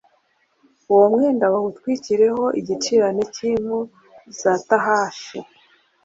Uwo mwenda bawutwikireho igicirane cy’impu za tahashi